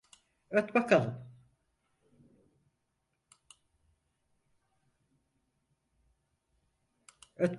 Öt bakalım.